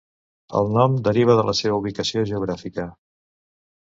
El nom deriva de la seva ubicació geogràfica.